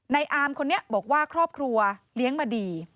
อามคนนี้บอกว่าครอบครัวเลี้ยงมาดี